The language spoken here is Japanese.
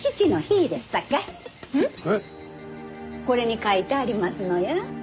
これに書いてありますのや。